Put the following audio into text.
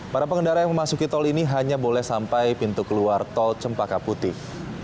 para pengendara yang memasuki tol ini hanya boleh sampai pintu keluar tol cempaka putih